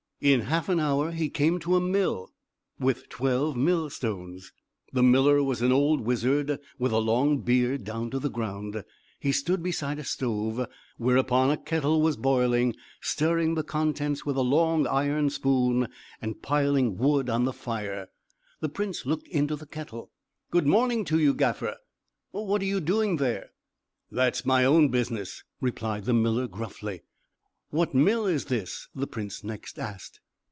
In half an hour he came to a mill, with twelve millstones. The miller was an old wizard, with a long beard down to the ground. He stood beside a stove whereupon a kettle was boiling stirring the contents with a long iron spoon, and piling wood on the fire. The prince looked into the kettle. "Good morning to you, gaffer. What are you doing there?" "That's my own business," replied the miller gruffly. "What mill is this?" the prince next asked.